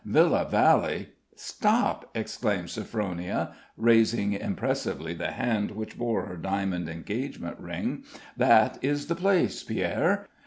Villa Valley "Stop!" exclaimed Sophronia, raising impressively the hand which bore her diamond engagement ring; "that is the place, Pierre.